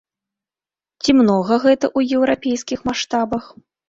Ці многа гэта ў еўрапейскіх маштабах?